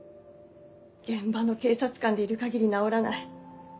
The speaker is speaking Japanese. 現場の警察官でいる限り治らない。